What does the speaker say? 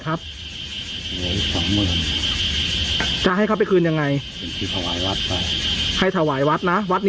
ไภนามคือมันดูปะครับ